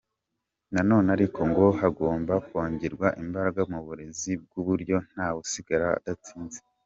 Na none ariko, ngo hagomba kongerwa imbararaga mu burezi ku buryo nta wusigara adatsinze.